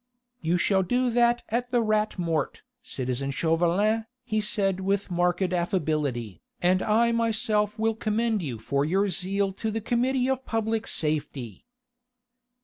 "You shall do that at the Rat Mort, citizen Chauvelin," he said with marked affability, "and I myself will commend you for your zeal to the Committee of Public Safety."